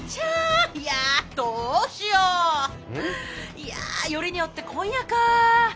いやよりによって今夜か。